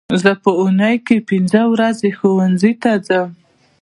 زه په اونۍ کې پینځه ورځې ښوونځي ته ځم